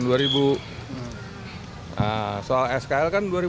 nah soal skl kan dua ribu empat